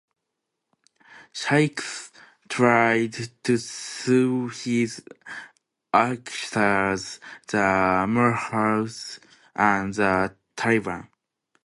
Shaikh tried to sue his accusers, the mullahs and the Taliban.